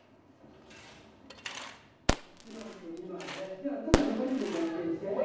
じゃあちょっと２人でじゃんけんして。